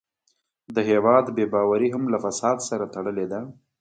د هېواد بې باوري هم له فساد سره تړلې ده.